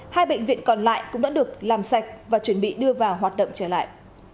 hai bệnh viện còn lại cũng đã được làm sạch và chuẩn bị đưa vào hoạt động trở lại